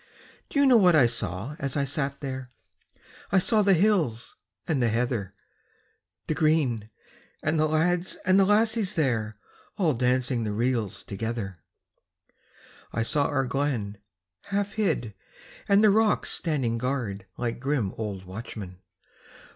Do you know what I saw as I sat there? I saw the hills and the heather, The green, and the lads and the lassies there All dancing the reels together. I saw our glen, half hid, and the rocks Standing guard like grim old watchmen.